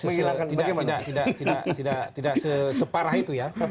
saya kira tidak separah itu ya